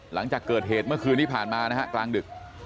หลังจากเกิดเหตุเมื่อคืนที่ผ่านมานะฮะกลางดึก